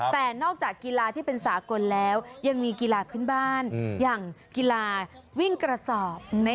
แต่นอกจากกีฬาที่เป็นสากลแล้วยังมีกีฬาพื้นบ้านอย่างกีฬาวิ่งกระสอบ